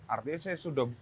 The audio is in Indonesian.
artinya saya sudah